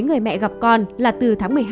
người mẹ gặp con là từ tháng một mươi hai